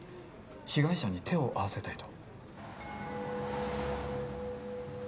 被害者に手を合わせたいと。